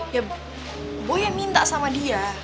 ya boy yang minta sama dia